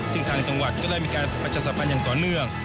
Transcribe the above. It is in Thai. ซึ่งทางจังหวัดก็ได้มีการประชาสัมพันธ์อย่างต่อเนื่อง